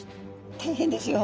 大変ですよ。